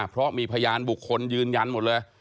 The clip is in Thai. เพราะมีพยานบุคคลยืนยันหมดเลย